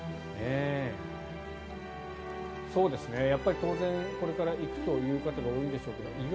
当然、これから行くという方が多いんでしょうけど。